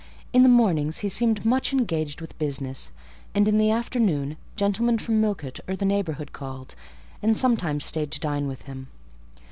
In the mornings he seemed much engaged with business, and, in the afternoon, gentlemen from Millcote or the neighbourhood called, and sometimes stayed to dine with him.